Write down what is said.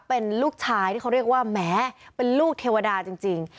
เป็นลูกชายที่เขาเรียกว่าแหมเป็นลูกเทวดาจริง